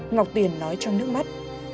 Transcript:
ngọc tuyên nói trong nước mắt